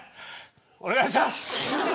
お願いします。